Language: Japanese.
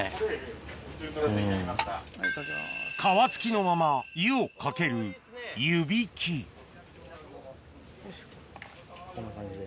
皮付きのまま湯をかけるこんな感じで。